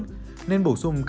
ăn uống dinh dưỡng